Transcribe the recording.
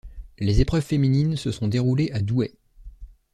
Les épreuves féminines se sont déroulées à Douai.